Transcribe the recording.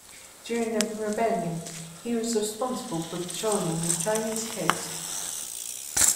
During the rebellion, he was responsible for patrolling the Chinese coast.